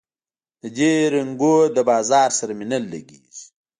د دې رنګونو له بازار سره مي نه لګیږي